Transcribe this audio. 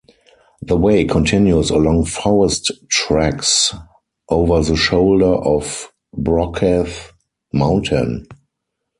The Way continues along forest tracks over the shoulder of Brockagh Mountain.